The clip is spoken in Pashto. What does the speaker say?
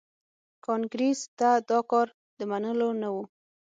کانګریس ته دا کار د منلو نه و.